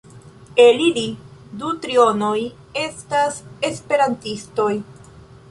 El ili du trionoj estas esperantistoj.